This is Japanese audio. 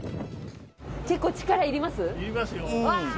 結構力いります？